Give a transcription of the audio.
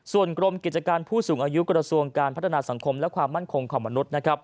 ส่วนกรมกิจการผู้สูงอายุกระทรวงการพัฒนาสังคมและความมั่นคงของมนุษย์